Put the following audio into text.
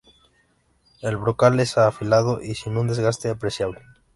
El brocal es afilado y sin un desgaste apreciable.